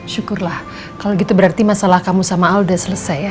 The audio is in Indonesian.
syukurlah kalo gitu berarti masalah kamu sama al udah selesai ya